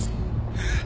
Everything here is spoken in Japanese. えっ？